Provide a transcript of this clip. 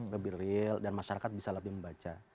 lebih real dan masyarakat bisa lebih membaca